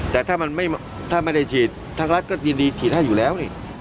แต่ถ้ามันถ้าไม่ได้ฉีดทางรัฐก็ยินดีฉีดให้อยู่แล้วนี่